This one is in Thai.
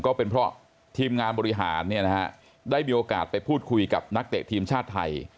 ก็เป็นเพราะทีมงานบริหารได้มีโอกาสไปพูดคุยกับนักเตะทีมชาติไทย